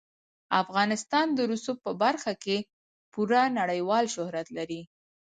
افغانستان د رسوب په برخه کې پوره نړیوال شهرت لري.